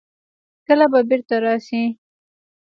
کله به بېرته راسي.